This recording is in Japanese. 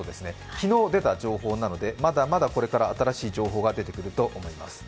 昨日出た情報なのでまだまだこれから新しい情報が出てくると思います。